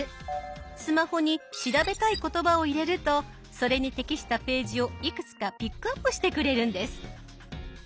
スマホに調べたい言葉を入れるとそれに適したページをいくつかピックアップしてくれるんです。